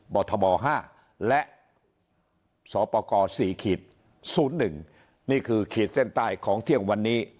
ปทศห้าและสปกสี่ขีดศูนย์หนึ่งนี่คือขีดเส้นใต้ของเที่ยงวันนี้